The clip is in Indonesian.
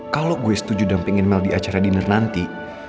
kalau gue setuju dan pengen mel di acara diner nanti